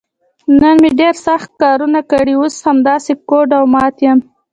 نن مې ډېر سخت کارونه کړي، اوس همداسې ګوډ او مات یم.